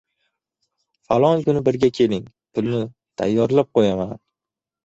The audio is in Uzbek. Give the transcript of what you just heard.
“Falon kuni birga keling, pulni tayyorlab qo‘yaman